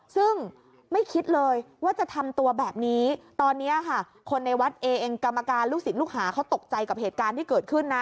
ซึ่งไม่คิดเลยว่าจะทำตัวแบบนี้ตอนนี้ค่ะคนในวัดเองกรรมการลูกศิษย์ลูกหาเขาตกใจกับเหตุการณ์ที่เกิดขึ้นนะ